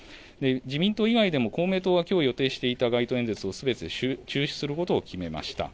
自民党以外でも公明党は、きょう予定していた街頭演説をすべて中止することを決めました。